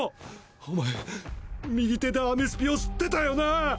おまえ右手でアメスピを吸ってたよなぁ！